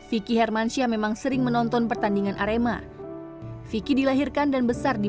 vicky hermansyah memang sering menonton pertandingan arema vicky dilahirkan dan besar di